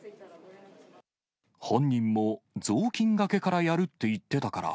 本人も雑巾がけからやるって言ってたから。